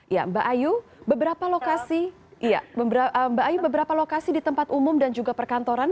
ya mbak ayu beberapa lokasi di tempat umum dan juga perkantoran